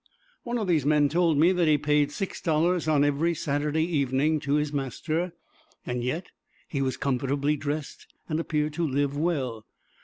One of these men told me that he paid six dollars on every Saturday evening to his master; and yet he was comfortably dressed, and appeared to live well.